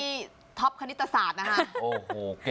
นี่ตอนเด็กที่ท็อปคณิตศาสตร์นะคะ